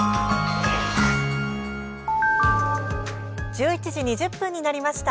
１１時２０分になりました。